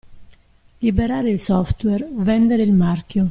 Liberare il software, vendere il marchio.